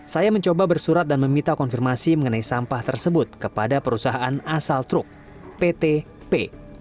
saya mencoba bersurat dan meminta konfirmasi mengenai sampah tersebut kepada perusahaan asal truk pt p